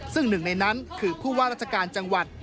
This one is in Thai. ซึ่งหนึ่งในนั้นคือผู้ว่าราชการจังหวัด